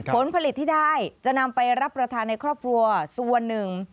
ผลผลิตที่ได้จะนำไปรับประทานในครอบครัวส่วนหนึ่ง